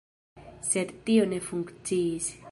Sed tio ne funkciis.